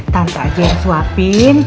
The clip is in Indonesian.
tante aja yang suapin